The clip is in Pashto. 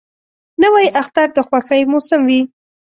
نوی اختر د خوښۍ موسم وي